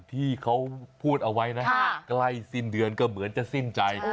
ที่เขาพูดเอาไว้นะใกล้สิ้นเดือนก็เหมือนจะสิ้นใจ